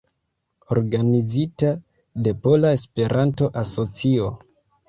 Organizita de Pola Esperanto-Asocio.